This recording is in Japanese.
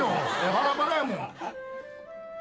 バラバラやもん。